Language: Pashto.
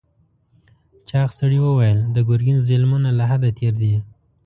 چاغ سړي وویل د ګرګین ظلمونه له حده تېر دي.